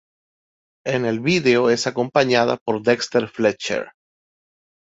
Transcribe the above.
En el video es acompañada por Dexter Fletcher.